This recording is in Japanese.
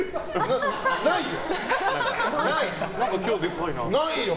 ないよ。